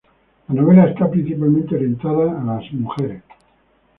La novela está principalmente orientada a las mujeres.